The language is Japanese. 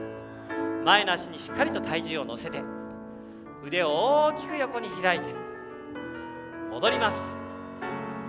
前の足に体重を乗せて腕を大きく横に開いて戻ります。